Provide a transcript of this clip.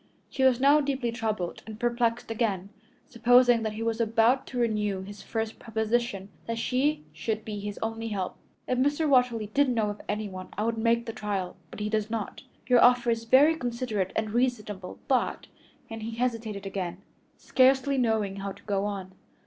She was now deeply troubled and perplexed again, supposing that he was about to renew his first proposition that she should be his only help. "If Mr. Watterly did know of anyone I would make the trial, but he does not. Your offer is very considerate and reasonable, but " and he hesitated again, scarcely knowing how to go on.